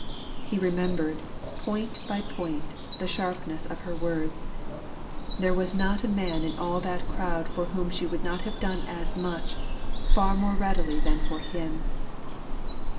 He remembered, point by point, the sharpness of her words "There was not a man in all that crowd for whom she would not have done as much, far more readily than for him."